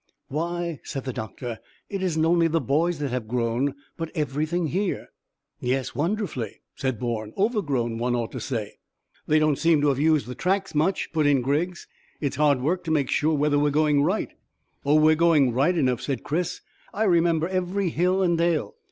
"Why," said the doctor, "it isn't only the boys that have grown, but everything here." "Yes, wonderfully," said Bourne; "overgrown, one ought to say." "They don't seem to have used the tracks much," put in Griggs. "It's hard work to make sure whether we're going right." "Oh, we're going right enough," said Chris. "I remember every hill and dale.